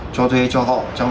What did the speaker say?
cho thuê cho họ trong